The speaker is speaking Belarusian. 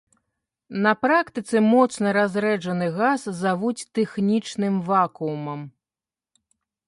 На практыцы моцна разрэджаны газ завуць тэхнічным вакуумам.